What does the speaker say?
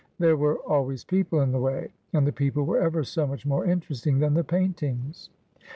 There were always people in the way, and the people were ever so much more interesting than the paintings.'